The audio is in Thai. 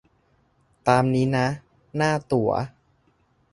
ตามนี้นะ หน้าตั๋ว